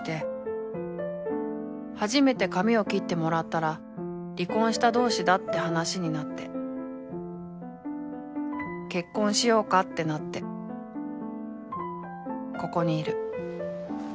［初めて髪を切ってもらったら離婚した同士だって話になって結婚しようかってなってここにいる］